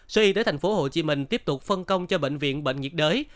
sở y tế tp hcm tiếp tục phân công cho bệnh viện bệnh nhiệt đới